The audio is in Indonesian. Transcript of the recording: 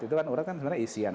itu kan orang kan sebenarnya isian